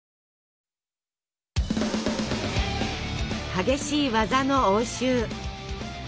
激しい技の応酬。